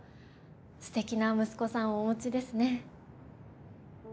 すてきな息子さんをお持ちですね。